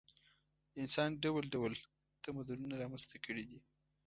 انسان ډول ډول تمدنونه رامنځته کړي دي.